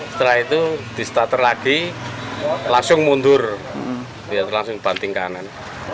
setelah itu di stater lagi langsung mundur langsung banting kanan